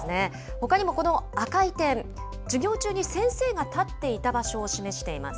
ほかにも、この赤い点、授業中に先生が立っていた場所を示しています。